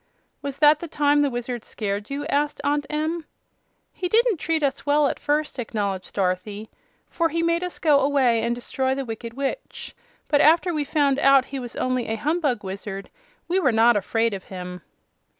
"Was that the time the Wizard scared you?" asked Aunt Em. "He didn't treat us well, at first," acknowledged Dorothy; "for he made us go away and destroy the Wicked Witch. But after we found out he was only a humbug wizard we were not afraid of him."